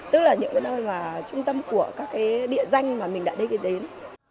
tức là những cái nơi mà trung tâm của các cái địa danh mà mình đã đi đến